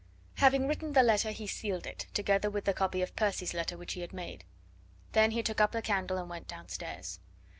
Having written the letter, he sealed it, together with the copy of Percy's letter which he had made. Then he took up the candle and went downstairs.